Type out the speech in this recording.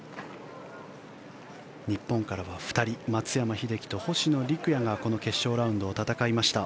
日本からは２人松山英樹と星野陸也がこの決勝ラウンドを戦いました。